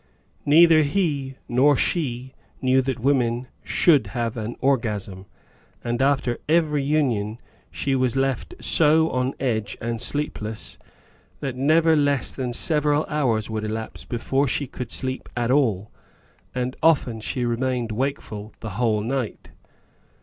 Neither he nor she knew that women should have an orgasm, and after every union she was left so " on edge and sleepless that never less than several hours I! sleep 57 would elapse before she could sleep at all, and often she remained wakeful the .whole night.